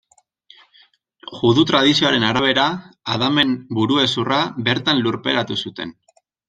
Judu-tradizioaren arabera, Adamen buru-hezurra bertan lurperatu zuten.